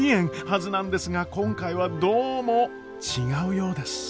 はずなんですが今回はどうも違うようです。